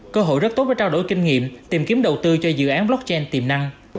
cơ hội rất tốt để trao đổi kinh nghiệm tìm kiếm đầu tư cho dự án blockchain tiềm năng